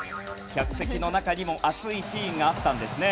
客席の中にも熱いシーンがあったんですね。